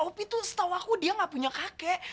opi tuh setau aku dia ga punya kakek